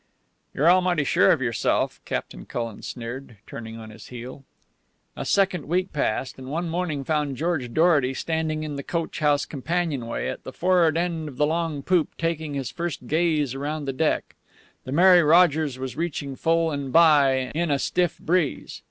"You're almighty sure of yourself," Captain Cullen sneered, turning on his heel. A second week passed, and one morning found George Dorety standing in the coach house companionway at the for'ard end of the long poop, taking his first gaze around the deck. The Mary Rogers was reaching full and by, in a stiff breeze.